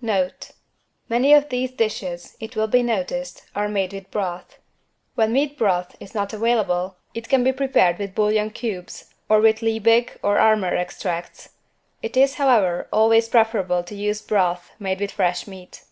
=Note= Many of these dishes, it will be noticed, are made with broth. When meat broth is not available, it can be prepared with bouillon cubes or with Liebig or Armour Extracts. It is, however, always preferable to use broth made with fresh meat.